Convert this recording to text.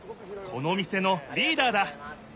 この店のリーダーだ！